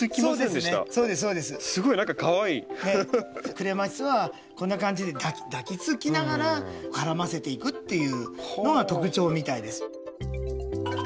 クレマチスはこんな感じで抱きつきながら絡ませていくっていうのが特徴みたいです。